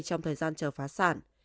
trong thời gian chờ phá sản